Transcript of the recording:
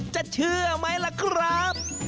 เชื่อไหมล่ะครับ